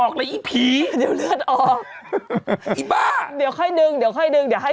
ก็เพิ่งมามัวดัมไป